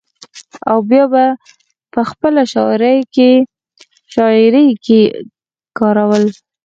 او بيا به پۀ خپله شاعرۍ کښې کارول ۔